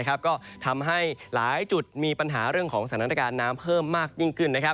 ก็ทำให้หลายจุดมีปัญหาเรื่องของสถานการณ์น้ำเพิ่มมากยิ่งขึ้น